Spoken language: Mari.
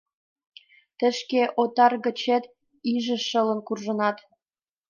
Тый шке отар гычет иже шылын куржынат.